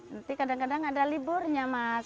nanti kadang kadang ada liburnya mas